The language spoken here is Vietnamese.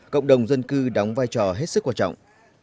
cộng đồng dân cư đóng vai trò hết sức quan trọng